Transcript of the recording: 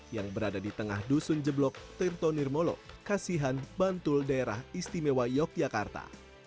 yang berada di tengah dusun jeblok tirtonir molo kasihan bantul daerah istimewa yogyakarta